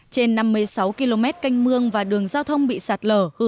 trên năm mươi sáu km canh mương và đường giao thông bị sạt lở